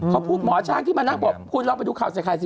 เขาพูดหมอช้างที่มานั่งบอกคุณลองไปดูข่าวใส่ไข่สิ